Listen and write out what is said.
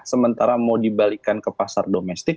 sementara mau dibalikkan ke pasar domestik